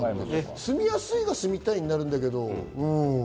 住みやすいが住みたいになるんだけれども。